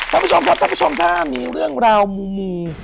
ท่านผู้ชมครับท่านผู้ชมถ้ามีเรื่องราวมู